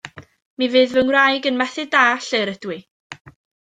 Mi fydd fy ngwraig yn methu dallt lle'r ydw i.